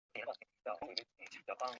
塔上灯光将按季节与主题而变动。